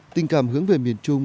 tình cảm hướng về miền trung